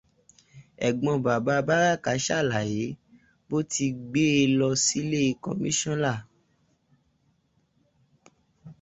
Ẹ̀gbọ́n bàbá Báràká ṣàlàyé bó ti gbé e lọ sílé kọmísọ́nà.